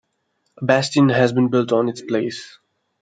A bastion has been built on its place.